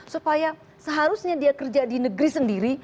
supaya seharusnya dia kerja di negeri sendiri